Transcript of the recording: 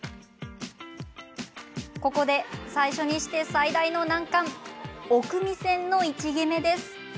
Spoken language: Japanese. ここで、最初にして最大の難関おくみ線の位置決めです。